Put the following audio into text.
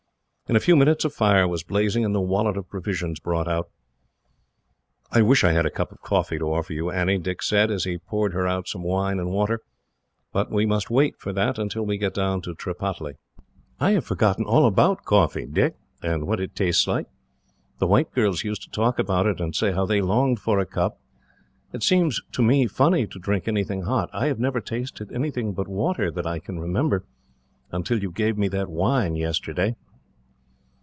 In a few minutes a fire was blazing, and the wallet of provisions brought out. "I wish I had a cup of coffee to offer you, Annie," Dick said, as he poured her out some wine and water, "but we must wait, for that, until we get down to Tripataly." "I have forgotten all about coffee, Dick, and what it tastes like. The white girls used to talk about it, and say how they longed for a cup. It seems, to me, funny to drink anything hot. I have never tasted anything but water, that I can remember, until you gave me that wine yesterday."